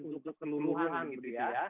untuk seluruh umum gitu ya